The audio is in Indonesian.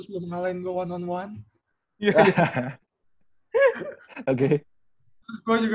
sebelum mengalahin gue one on one